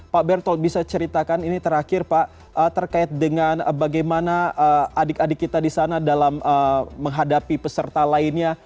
pak berttol bisa ceritakan ini terakhir pak terkait dengan bagaimana adik adik kita di sana dalam menghadapi peserta lainnya